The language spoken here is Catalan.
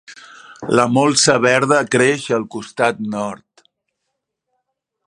La molsa verda creix al costat nord.